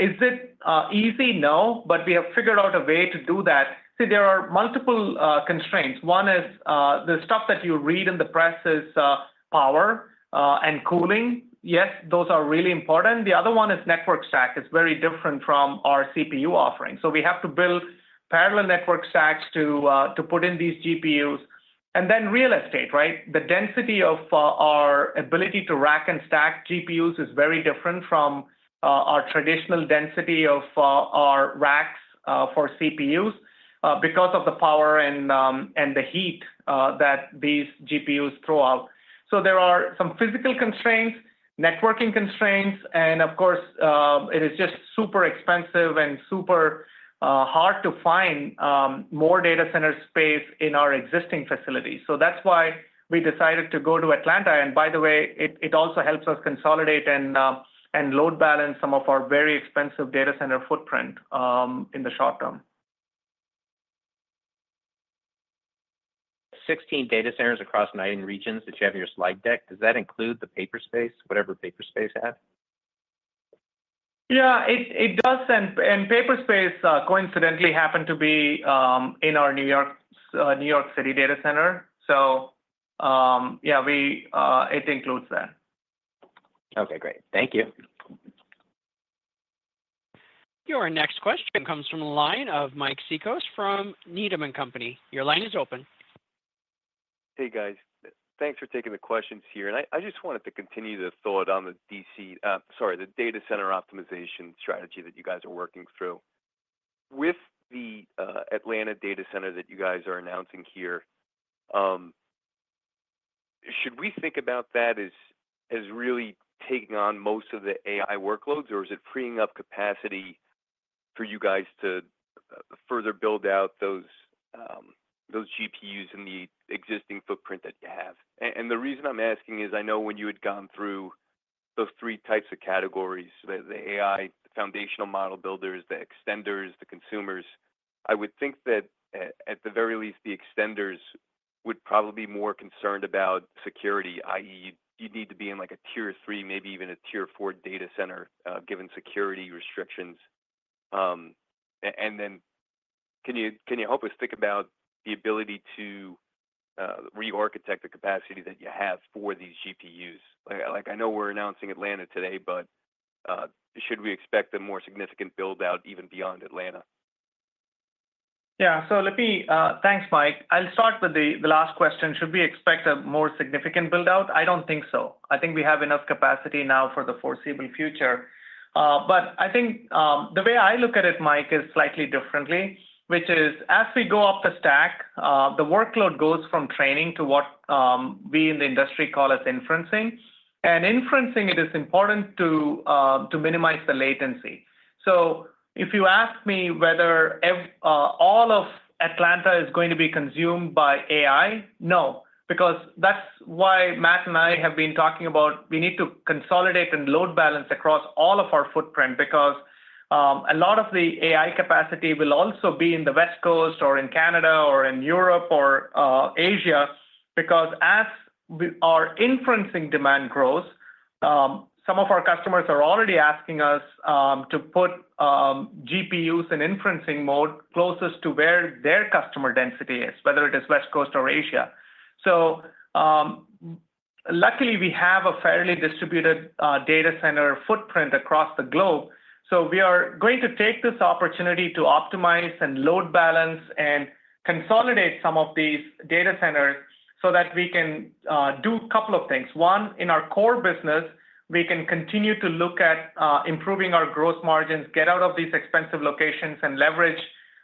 Is it easy? No, but we have figured out a way to do that. See, there are multiple constraints. One is the stuff that you read in the press is power and cooling. Yes, those are really important. The other one is network stack. It's very different from our CPU offering. So we have to build parallel network stacks to put in these GPUs. And then real estate, right? The density of our ability to rack and stack GPUs is very different from our traditional density of our racks for CPUs because of the power and the heat that these GPUs throw out. So there are some physical constraints, networking constraints, and of course, it is just super expensive and super hard to find more data center space in our existing facilities. So that's why we decided to go to Atlanta. And by the way, it also helps us consolidate and load balance some of our very expensive data center footprint in the short term. 16 data centers across 9 regions that you have in your slide deck, does that include the Paperspace, whatever Paperspace you have? Yeah, it does, and Paperspace coincidentally happened to be in our New York, New York City data center. So, yeah, it includes that. Okay, great. Thank you. Your next question comes from the line of Mike Cikos from Needham & Company. Your line is open. Hey, guys. Thanks for taking the questions here. I just wanted to continue the thought on the DC, sorry, the data center optimization strategy that you guys are working through. With the Atlanta data center that you guys are announcing here, should we think about that as really taking on most of the AI workloads, or is it freeing up capacity for you guys to further build out those GPUs in the existing footprint that you have? And the reason I'm asking is, I know when you had gone through those three types of categories, the AI foundational model builders, the extenders, the consumers, I would think that at the very least, the extenders would probably be more concerned about security, i.e., you'd need to be in, like, a Tier 3, maybe even a Tier 4 data center, given security restrictions. And then can you help us think about the ability to re-architect the capacity that you have for these GPUs? Like, I know we're announcing Atlanta today, but should we expect a more significant build-out even beyond Atlanta? Yeah. So let me, thanks, Mike. I'll start with the last question. Should we expect a more significant build-out? I don't think so. I think we have enough capacity now for the foreseeable future. But I think the way I look at it, Mike, is slightly differently, which is, as we go up the stack, the workload goes from training to what we in the industry call as inferencing. And inferencing, it is important to minimize the latency. So if you ask me whether all of Atlanta is going to be consumed by AI, no, because that's why Matt and I have been talking about we need to consolidate and load balance across all of our footprint, because a lot of the AI capacity will also be in the West Coast, or in Canada, or in Europe, or Asia. Because as our inferencing demand grows, some of our customers are already asking us to put GPUs in inferencing mode closest to where their customer density is, whether it is West Coast or Asia. So, luckily, we have a fairly distributed data center footprint across the globe, so we are going to take this opportunity to optimize and load balance and consolidate some of these data centers so that we can do a couple of things. One, in our core business, we can continue to look at improving our gross margins, get out of these expensive locations, and leverage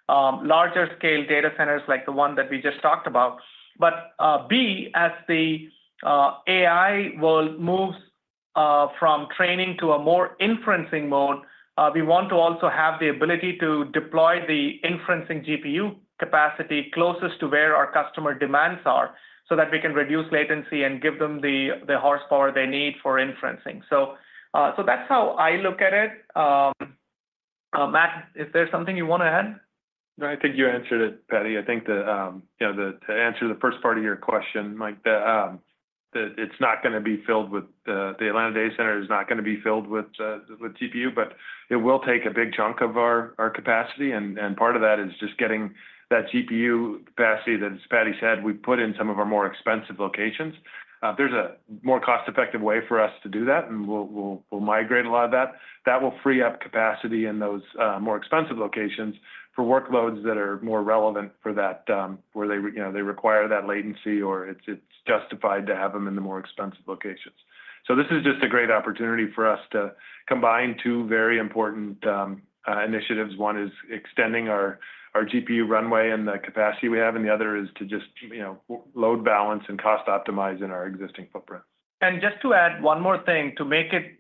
larger scale data centers like the one that we just talked about. But, B, as the AI world moves from training to a more inferencing mode, we want to also have the ability to deploy the inferencing GPU capacity closest to where our customer demands are, so that we can reduce latency and give them the, the horsepower they need for inferencing. So, so that's how I look at it. Matt, is there something you want to add? No, I think you answered it, Paddy. I think the, you know, the - to answer the first part of your question, Mike, the, the. The Atlanta data center is not gonna be filled with GPU, but it will take a big chunk of our capacity, and part of that is just getting that GPU capacity that, as Paddy said, we put in some of our more expensive locations. There's a more cost-effective way for us to do that, and we'll migrate a lot of that. That will free up capacity in those more expensive locations for workloads that are more relevant for that, where they, you know, they require that latency or it's justified to have them in the more expensive locations. So this is just a great opportunity for us to combine two very important initiatives. One is extending our GPU runway and the capacity we have, and the other is to just, you know, load balance and cost optimize in our existing footprint. Just to add one more thing to make it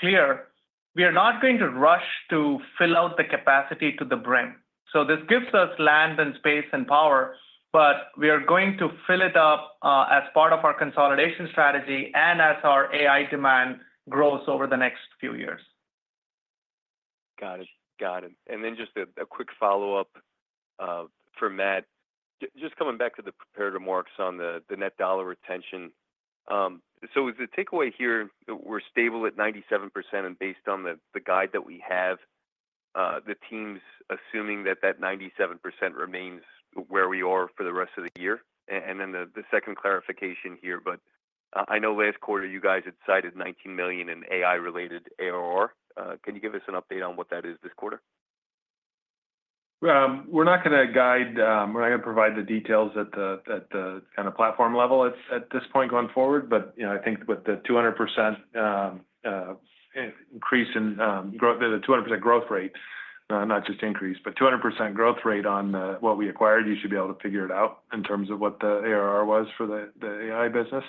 clear, we are not going to rush to fill out the capacity to the brim. This gives us land and space and power, but we are going to fill it up, as part of our consolidation strategy and as our AI demand grows over the next few years. Got it. Got it. And then just a quick follow-up for Matt. Just coming back to the prepared remarks on the net dollar retention. So is the takeaway here that we're stable at 97%, and based on the guide that we have, the team's assuming that that 97% remains where we are for the rest of the year? And then the second clarification here, but I know last quarter you guys had cited $19 million in AI-related ARR. Can you give us an update on what that is this quarter? We're not gonna provide the details at the kind of platform level at this point going forward. But, you know, I think with the 200% growth rate, not just increase, but 200% growth rate on what we acquired, you should be able to figure it out in terms of what the ARR was for the AI business.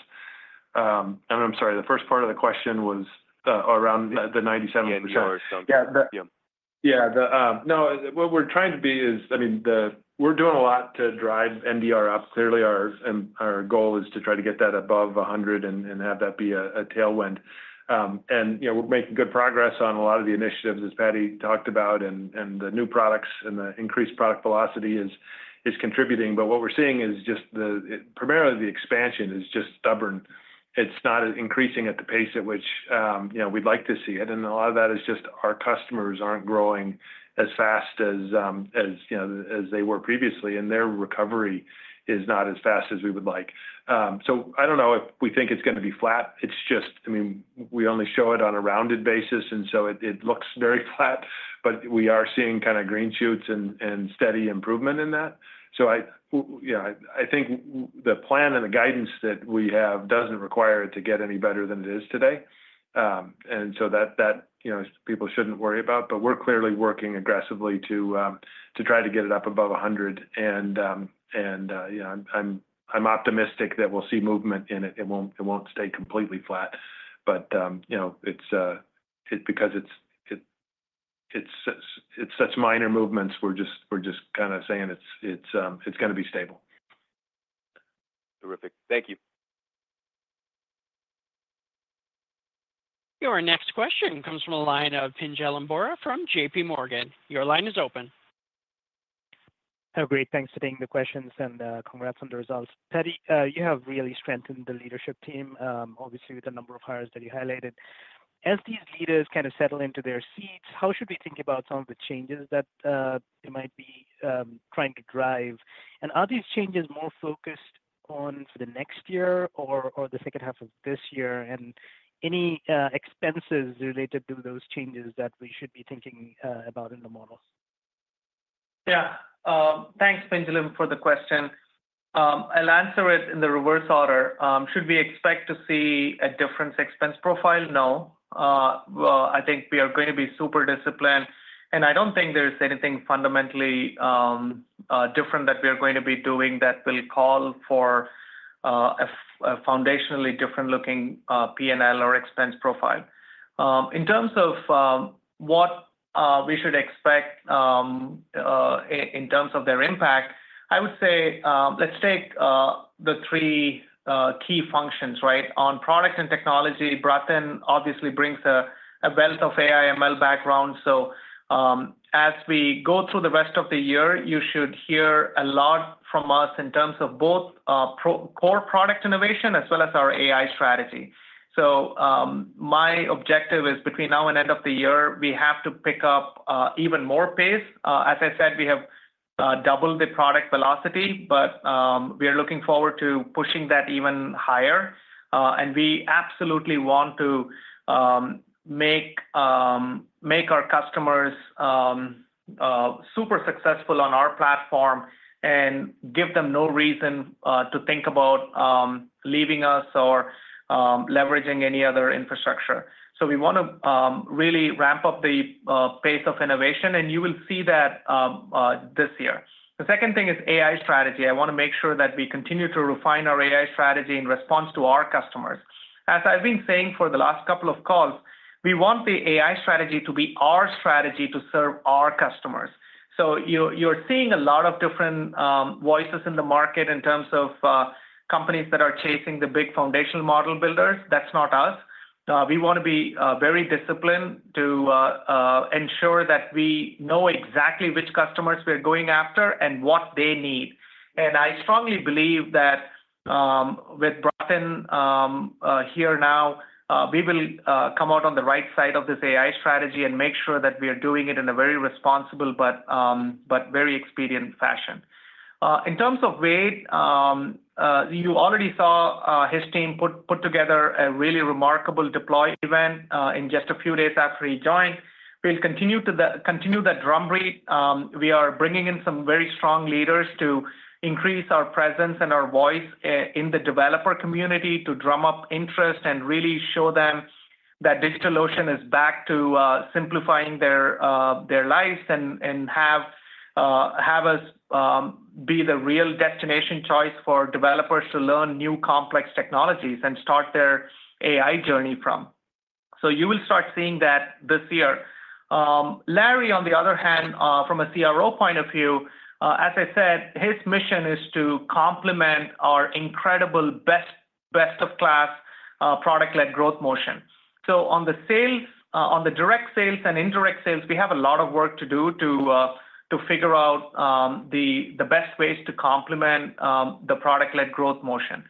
And I'm sorry, the first part of the question was around the 97%. Yeah, sure. Yeah, the, No, what we're trying to be is—I mean, the—we're doing a lot to drive NDR up. Clearly, our goal is to try to get that above 100 and have that be a tailwind. And, you know, we're making good progress on a lot of the initiatives, as Paddy talked about, and the new products, and the increased product velocity is contributing. But what we're seeing is just the, primarily, the expansion is just stubborn. It's not increasing at the pace at which, you know, we'd like to see it. And a lot of that is just our customers aren't growing as fast as, you know, as they were previously, and their recovery is not as fast as we would like. So I don't know if we think it's gonna be flat. It's just, I mean, we only show it on a rounded basis, and so it looks very flat, but we are seeing kinda green shoots and steady improvement in that. So yeah, I think the plan and the guidance that we have doesn't require it to get any better than it is today. And so that, you know, people shouldn't worry about, but we're clearly working aggressively to try to get it up above 100. And, you know, I'm optimistic that we'll see movement in it. It won't stay completely flat. But, you know, it's because it's such minor movements, we're just kinda saying it's gonna be stable. Terrific. Thank you. Your next question comes from the line of Pinjalim Bora from J.P. Morgan. Your line is open. Oh, great. Thanks for taking the questions, and, congrats on the results. Paddy, you have really strengthened the leadership team, obviously with the number of hires that you highlighted. As these leaders kind of settle into their seats, how should we think about some of the changes that they might be trying to drive? And are these changes more focused on for the next year or, or the second half of this year? And any expenses related to those changes that we should be thinking about in the models? Yeah. Thanks, Pinjal, for the question. I'll answer it in the reverse order. Should we expect to see a different expense profile? No. Well, I think we are going to be super disciplined, and I don't think there's anything fundamentally different that we are going to be doing that will call for a foundationally different looking P&L or expense profile. In terms of what we should expect in terms of their impact, I would say, let's take the three key functions, right? On product and technology, Bratin obviously brings a wealth of AI/ML background. So, as we go through the rest of the year, you should hear a lot from us in terms of both core product innovation as well as our AI strategy. So, my objective is between now and end of the year, we have to pick up even more pace. As I said, we have doubled the product velocity, but we are looking forward to pushing that even higher. And we absolutely want to make our customers super successful on our platform and give them no reason to think about leaving us or leveraging any other infrastructure. So we wanna really ramp up the pace of innovation, and you will see that this year. The second thing is AI strategy. I wanna make sure that we continue to refine our AI strategy in response to our customers. As I've been saying for the last couple of calls, we want the AI strategy to be our strategy to serve our customers. So you're seeing a lot of different voices in the market in terms of companies that are chasing the big foundational model builders. That's not us. We wanna be very disciplined to ensure that we know exactly which customers we are going after and what they need. And I strongly believe that with Bratin here now we will come out on the right side of this AI strategy and make sure that we are doing it in a very responsible but very expedient fashion. In terms of Wade you already saw his team put together a really remarkable Deploy event in just a few days after he joined. We'll continue to continue that drum beat. We are bringing in some very strong leaders to increase our presence and our voice in the developer community, to drum up interest and really show them that DigitalOcean is back to simplifying their lives, and have us be the real destination choice for developers to learn new complex technologies and start their AI journey from. So you will start seeing that this year. Larry, on the other hand, from a CRO point of view, as I said, his mission is to complement our incredible, best-of-class product-led growth motion. So on the sales, on the direct sales and indirect sales, we have a lot of work to do to figure out the best ways to complement the product-led growth motion.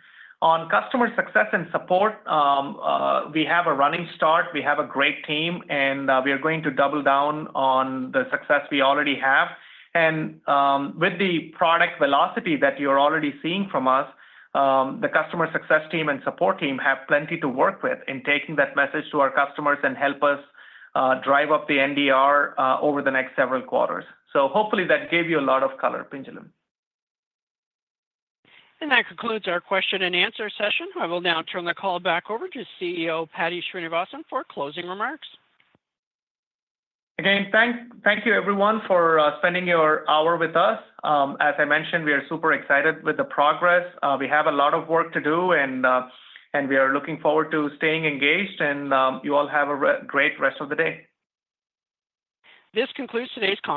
On customer success and support, we have a running start. We have a great team, and we are going to double down on the success we already have. With the product velocity that you're already seeing from us, the customer success team and support team have plenty to work with in taking that message to our customers and help us drive up the NDR over the next several quarters. So hopefully that gave you a lot of color, Pinjal. That concludes our question and answer session. I will now turn the call back over to CEO Paddy Srinivasan for closing remarks. Again, thank you everyone for spending your hour with us. As I mentioned, we are super excited with the progress. We have a lot of work to do, and we are looking forward to staying engaged, and you all have a great rest of the day. This concludes today's call.